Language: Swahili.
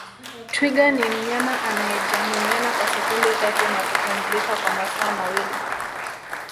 Twiga ni mnyama anayejamiiana kwa sekunde tatu na kupumzika kwa masaa mawili